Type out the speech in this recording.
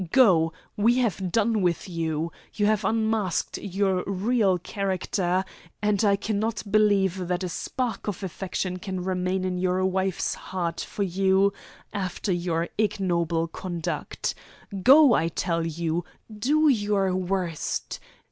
Go! We have done with you! You have unmasked your real character, and I cannot believe that a spark of affection can remain in your wife's heart for you after your ignoble conduct. Go, I tell you! Do your worst.